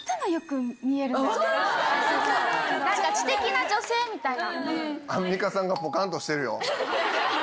何で⁉知的な女性みたいな。